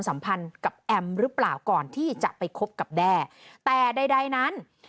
สัมพันธ์กับแอมหรือเปล่าก่อนที่จะไปคบกับแด้แต่ใดใดนั้น